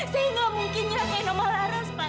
saya gak mungkin nyelakain opah laras pak